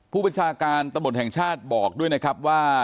ผู้บัญชาการตำรวจแห่งชาติบอกด้วยนะครับว่า